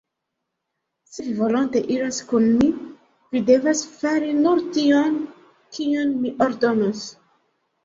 Se vi volonte iras kun mi, vi devas fari nur tion, kion mi ordonos.